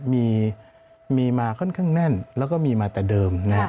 มีมาค่อนข้างแน่นแล้วก็มีมาแต่เดิม